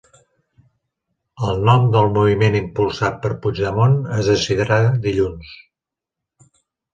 El nom del moviment impulsat per Puigdemont es decidirà dilluns